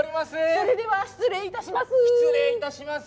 それでは失礼致します。